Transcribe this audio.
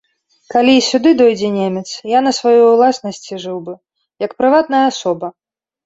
Калі і сюды дойдзе немец, я на сваёй уласнасці жыў бы, як прыватная асоба.